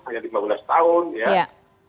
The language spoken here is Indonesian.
hanya lima belas tahun ya